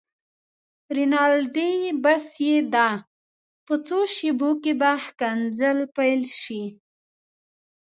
رینالډي: بس یې ده، په څو شېبو کې به ښکنځل پيل شي.